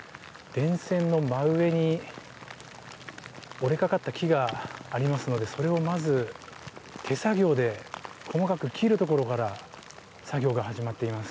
電線の真上に折れかかった木がありますのでそれをまず手作業で細かく切るところから作業が始まっています。